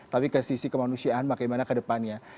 tapi ke sisi kemanusiaan bagaimana kedepannya